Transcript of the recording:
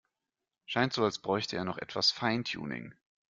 Scheint so, als bräuchte er noch etwas Feintuning.